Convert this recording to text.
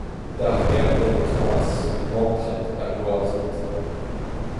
D’ar gêrbenn e troas, mantret ha gloazet.